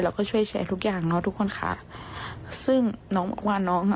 เราก็ช่วยใช้ทุกอย่างเนอะทุกคนคะซึ่งน้องว่าน้องอ่ะ